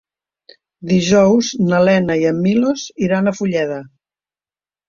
Dijous na Lena i en Milos iran a Fulleda.